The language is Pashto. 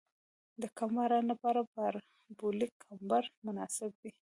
د کم باران لپاره پارابولیک کمبر مناسب دی